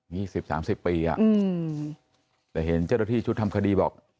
นี่๑๐๓๐ปีอ่ะแต่เห็นเจ้าหน้าที่ชุดทำคดีบอก